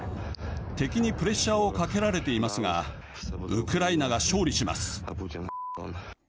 敵にプレッシャーをかけられていますがウクライナが勝利します。